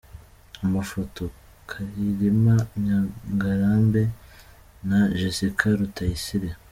Amafoto: Karirima Ngarambe & Jessica Rutayisire.